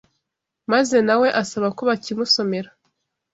maze na we asaba ko bakimusomera